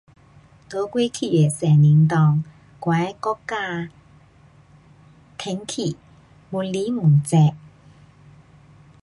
在过去的十年内，我的国家天气越来越热。